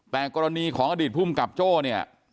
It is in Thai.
แต่กรณีของอดีตภูมิกับโจ้เนี่ย